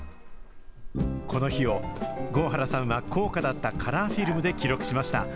この日を、合原さんは高価だったカラーフィルムで記録しました。